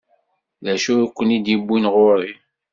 D acu i ken-id-iwwin ɣur-i?